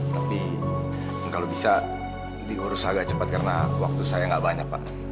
tapi kalau bisa diurus agak cepat karena waktu saya nggak banyak pak